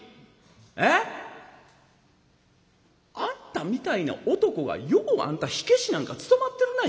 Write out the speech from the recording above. ええ？あんたみたいな男がようあんた火消しなんか務まってるな。